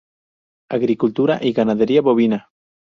Agricultura y ganadería bovina.